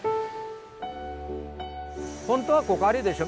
本当はここあれでしょ